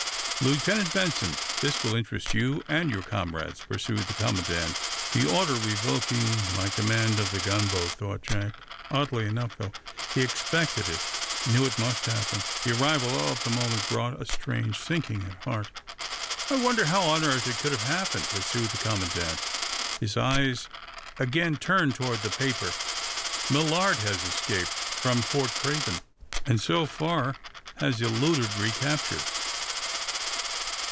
"Lieutenant Benson, this will interest you and your comrades," pursued the commandant. "The order revoking my command of the gunboat," thought Jack. Oddly enough, though he expected it, knew it must happen, the arrival of the moment brought a strange sinking at heart. "I wonder how on earth it could have happened?" pursued the commandant, his eyes again turned toward the paper. "Millard has escaped from Fort Craven, and, so far, has eluded recapture!"